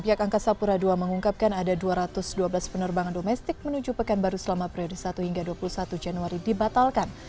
pihak angkasa pura ii mengungkapkan ada dua ratus dua belas penerbangan domestik menuju pekanbaru selama periode satu hingga dua puluh satu januari dibatalkan